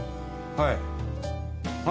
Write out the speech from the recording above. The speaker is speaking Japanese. はい。